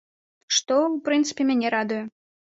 Што, у прынцыпе, мяне радуе.